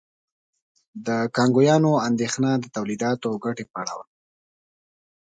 د کانګویانو اندېښنه د تولیداتو او ګټې په اړه وه.